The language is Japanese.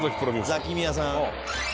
ザキミヤさん。